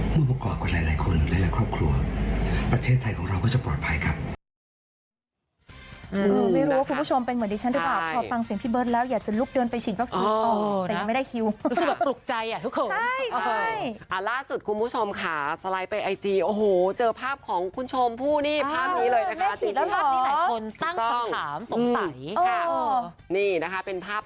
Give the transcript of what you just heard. ผู้ประกอบกับหลายคนหลายครอบครัวประเทศไทยของเราก็จะปลอดภัยครับ